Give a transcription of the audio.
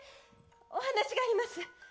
お話があります。